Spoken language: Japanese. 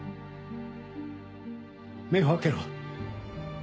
目を開けろ。